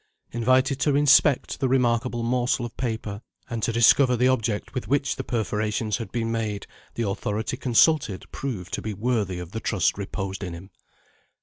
Invited to inspect the remarkable morsel of paper, and to discover the object with which the perforations had been made, the authority consulted proved to be worthy of the trust reposed in him.